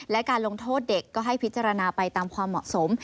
และการลงโทษเด็กก็ให้พิจารณาไปตามความเหมาะสม